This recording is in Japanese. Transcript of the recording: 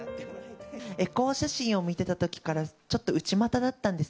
エコー写真を見てたときからちょっと内股だったんです。